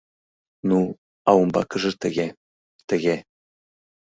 Ну, а умбакыже тыге... тыге...